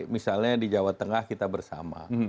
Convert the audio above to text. misalnya di jawa tengah kita bersama